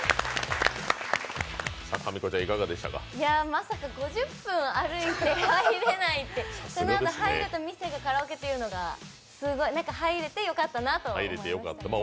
まさか５０分歩いて入れないって、そのあとは入れた店がカラオケっていうのがすごい入れてよかったなと思いましたね。